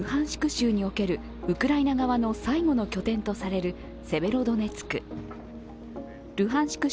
州におけるウクライナ側の最後の拠点とされるセベロドネツク。